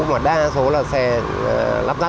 mà đa số là xe lắp dắp